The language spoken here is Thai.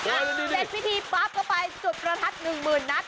เด็กพิธีปั๊บต่อไปจุดประทัดหนึ่งหมื่นนัด